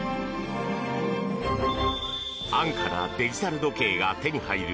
安価なデジタル時計が手に入る